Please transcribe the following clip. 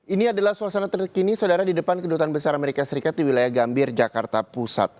ini adalah suasana terkini saudara di depan kedutaan besar amerika serikat di wilayah gambir jakarta pusat